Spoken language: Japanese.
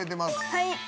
はい。